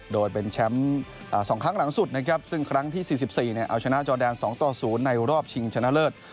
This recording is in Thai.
โดยเป็นแชมป์๒ครั้งหลังสุดนะครับซึ่งครั้งที่๔๔เอาชนะจอแดน๒ต่อ๐ในรอบชิงชนะเลิศ